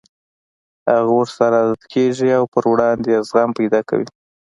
هغه ورسره عادت کېږي او پر وړاندې يې زغم پيدا کوي.